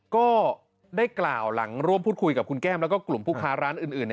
ก็ได้กล่าวหลังร่วมพูดคุยกับคุณแก้มแล้วก็กลุ่มผู้ค้าร้านอื่น